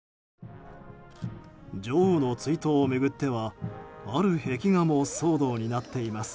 女王の追悼を巡ってはある壁画も騒動になっています。